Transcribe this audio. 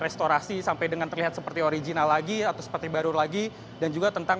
restorasi sampai dengan terlihat seperti original lagi atau seperti baru lagi dan juga tentang